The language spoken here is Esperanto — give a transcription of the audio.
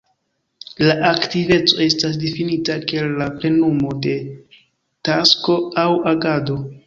La aktiveco estas difinita kiel la plenumo de tasko aŭ agado.